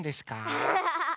アハハハ！